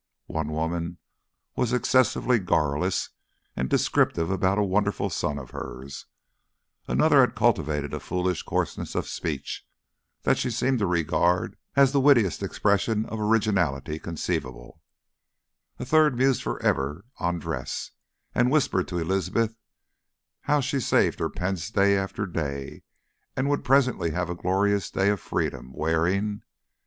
One woman was excessively garrulous and descriptive about a wonderful son of hers; another had cultivated a foolish coarseness of speech, that she seemed to regard as the wittiest expression of originality conceivable; a third mused for ever on dress, and whispered to Elizabeth how she saved her pence day after day, and would presently have a glorious day of freedom, wearing